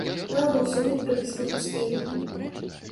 Праўда, усё выправіць не паспелі.